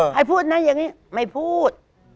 พูดนะอย่างนี้ไม่พูด